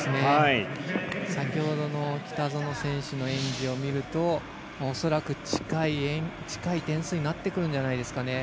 先ほどの北園選手の演技を見ると恐らく、近い点数になってくるんじゃないですかね。